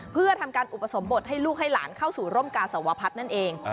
เพื่อทำการอุปสมบทให้ลูกให้หลานเข้าสู่ร่มกาสวพัฒน์นั่นเอง